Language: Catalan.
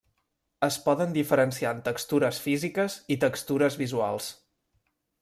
Es poden diferenciar en textures físiques i textures visuals.